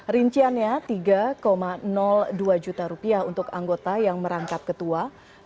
rinciannya tiga dua juta rupiah untuk anggota yang merangkap ketua